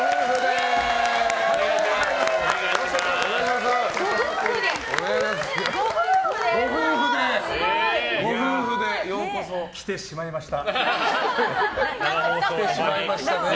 すごい！ご夫婦でようこそ。来てしまいました。